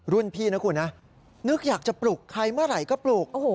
พี่นะคุณนะนึกอยากจะปลุกใครเมื่อไหร่ก็ปลูก